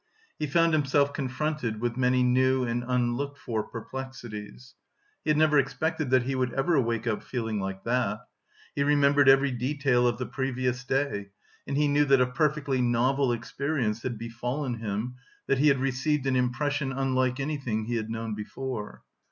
He found himself confronted with many new and unlooked for perplexities. He had never expected that he would ever wake up feeling like that. He remembered every detail of the previous day and he knew that a perfectly novel experience had befallen him, that he had received an impression unlike anything he had known before.